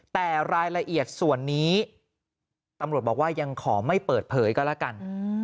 แต่รายละเอียดส่วนนี้ตำรวจบอกว่ายังขอไม่เปิดเผยก็แล้วกัน